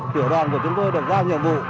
tiểu đoàn của chúng tôi được giao nhiệm vụ